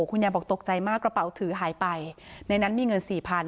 คุณยายบอกตกใจมากกระเป๋าถือหายไปในนั้นมีเงินสี่พัน